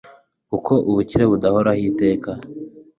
kuko ubukire budahoraho iteka